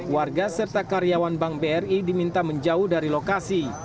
warga serta karyawan bank bri diminta menjauh dari lokasi